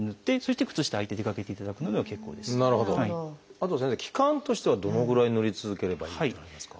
あとは先生期間としてはどのぐらいぬり続ければいいというのはありますか？